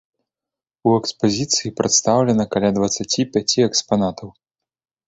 У экспазіцыі прадстаўлена каля дваццаці пяці экспанатаў.